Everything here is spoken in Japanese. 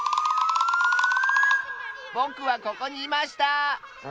ぼくはここにいました！